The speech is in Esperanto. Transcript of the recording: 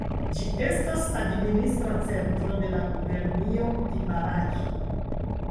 Ĝi estas administra centro de la gubernio Ibaraki.